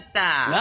何？